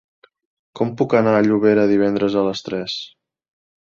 Com puc anar a Llobera divendres a les tres?